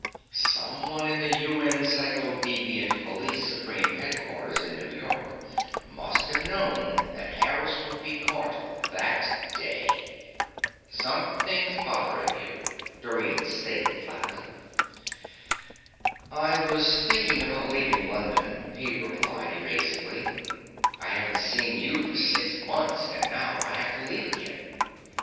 Someone in the UN Psychodeviant Police Supreme Headquarters in New York must have known that Harris would be caught that day! Something's bothering you, Dorrine stated flatly. I was thinking about leaving London, he replied evasively. _I haven't seen you for six months, and now I have to leave again.